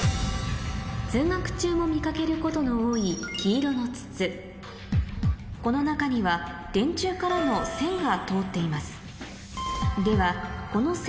通学中も見かけることの多い黄色の筒この中には電柱からのうんでも。